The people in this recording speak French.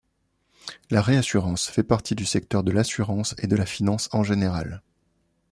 La réassurance fait partie du secteur de l’assurance et de la finance en général.